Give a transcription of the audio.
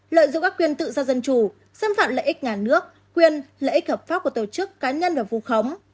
lợi dụng các quyền tự do dân chủ xâm phạm lợi ích ngàn nước quyền lợi ích hợp pháp của tổ chức cá nhân và phu khống